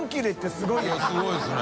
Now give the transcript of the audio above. すごいですね。